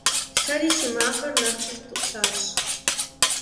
Сэри си макъыр нэхъ къиутӀыпщащ.